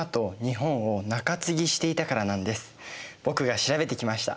僕が調べてきました。